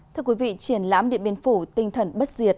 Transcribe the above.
thưa quý vị triển lãm điện biên phủ tinh thần bất diệt